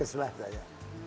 bekes lah saya